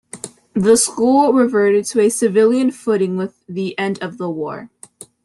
The school reverted to a civilian footing with the end of the war.